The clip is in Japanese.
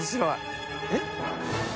えっ？